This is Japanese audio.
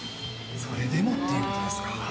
それでもっていうことですか。